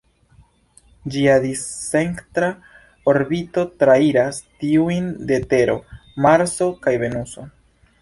Ĝia discentra orbito trairas tiujn de Tero, Marso kaj Venuso.